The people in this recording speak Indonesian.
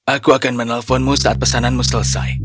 aku akan menelponmu saat pesananmu selesai